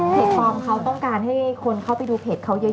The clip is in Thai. ฟอร์มเขาต้องการให้คนเข้าไปดูเพจเขาเยอะ